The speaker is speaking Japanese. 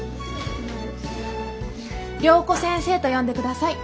良子先生と呼んでください。